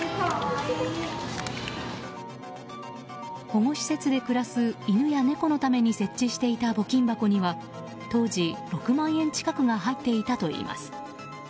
保護施設で暮らす犬や猫のために設置していた募金箱には当時、６万円近くが入っていたといいます。